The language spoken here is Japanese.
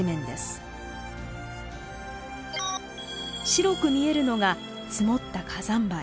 白く見えるのが積もった火山灰。